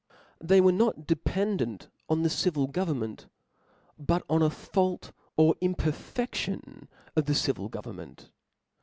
They were not depen . dent on the civil government, but on a fault or imperfeftion of the civil government.